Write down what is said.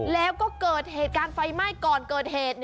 แล้วก็เกิดเหตุการณ์ไฟไหม้ก่อนเกิดเหตุ